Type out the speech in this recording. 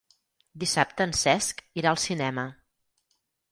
Dissabte en Cesc irà al cinema.